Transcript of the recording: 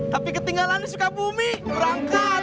jalan suka bumi berangkat